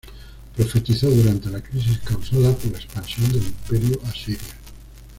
Profetizó durante la crisis causada por la expansión del Imperio asirio.